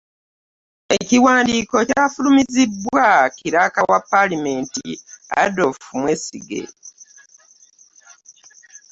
Ekiwandiiko kyafulumiziddwa kkiraaka wa Paalamenti, Adolf Mwesigye.